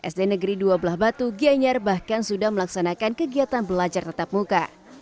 sd negeri dua belah batu giyanyar bahkan sudah melaksanakan kegiatan belajar tetap muka